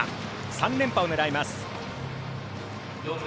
３連覇を狙います。